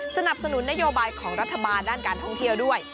สนับสนุนนโยบายของรัฐบาลด้านการท่องเที่ยวด้วย